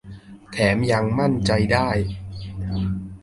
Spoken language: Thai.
แถมยังมั่นใจได้